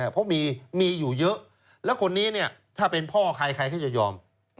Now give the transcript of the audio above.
เพราะมีอยู่เยอะแล้วคนนี้เนี่ยถ้าเป็นพ่อใครใครเขาจะยอม